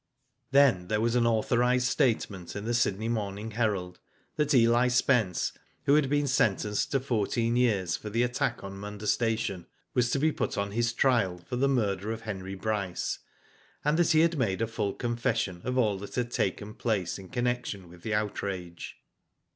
Then there was an authorised statement in the Sydney Morning Herald, that Eli Spence, who had been sentenced to fourteen years for the attack on Munda station, was to be put on his trial for the murder of Henry Bryce, and that he had made a full confession of all that had taken place in connection with' the outrage.